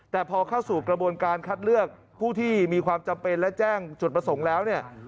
แต่พอเข้าสู่กระบวนการคัดเลือกผู้ที่มีความจำเป็นและแจ้งจุดประสงค์แล้วเนี่ย